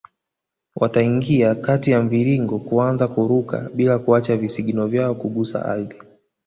Wataingia kati ya mviringo kuanza kuruka bila kuacha visigino vyao kugusa ardhi